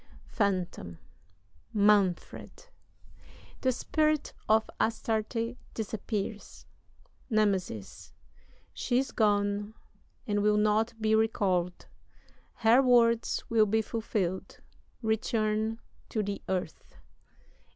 "PHANTOM. Manfred!" [The Spirit of ASTARTE disappears.] "NEMESIS. She's gone, and will not be recall'd; Her words will be fulfill'd. Return to the earth.